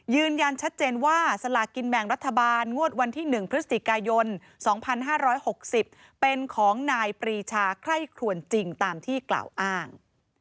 ยืนยันชัดเจนว่าสลากินแบ่งรัฐบาลงวดวันที่๑พฤศจิกายน๒๕๖๐เป็นของนายปรีชาไคร่ครวนจริงตามที่กล่าวอ้าง